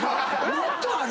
もっとある。